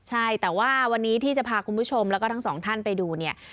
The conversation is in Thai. ใช่แต่ว่าวันนี้ที่จะพาคุณผู้ชมแล้วก็ทั้งสองท่านไปดูเนี่ย